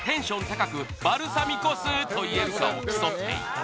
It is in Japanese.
高く「バルサミコ酢」と言えるかを競っていた